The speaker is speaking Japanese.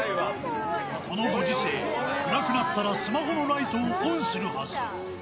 このご時世、暗くなったらスマホのライトをオンするはず。